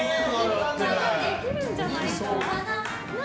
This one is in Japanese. できるんじゃないか？